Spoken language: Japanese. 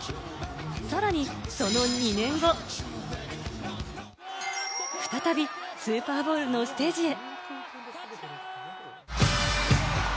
さらにその２年後、再びスーパーボウルのステージへ。